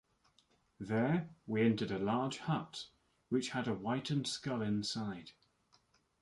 There, he entered a large hut, which had a whitened skull inside.